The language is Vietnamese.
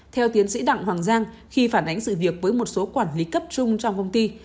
theo tiến sĩ đặng hoàng giang khi phản ánh sự việc với một số quản lý cấp chung trong công ty